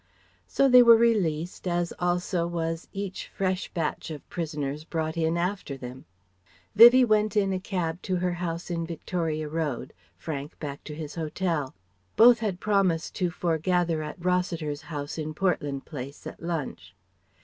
So they were released, as also was each fresh batch of prisoners brought in after them. Vivie went in a cab to her house in the Victoria Road; Frank back to his hotel. Both had promised to foregather at Rossiter's house in Portland Place at lunch.